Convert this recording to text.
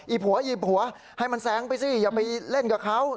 อีผัวให้มันแซงไปสิอย่าไปเล่นกับเขา